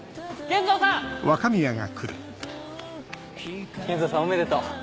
玄三さんおめでとう！